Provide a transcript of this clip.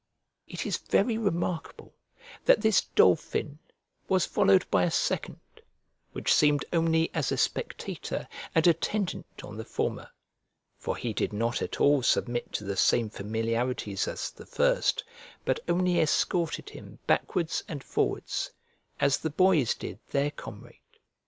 It is very remarkable that this dolphin was followed by a second, which seemed only as a spectator and attendant on the former; for he did not at all submit to the same familiarities as the first, but only escorted him backwards and forwards, as the boys did their comrade.